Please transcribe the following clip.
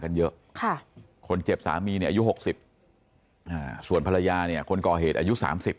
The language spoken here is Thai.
กันเยอะค่ะคนเจ็บสามีเนี่ยอายุ๖๐ส่วนภรรยาเนี่ยคนก่อเหตุอายุ๓๐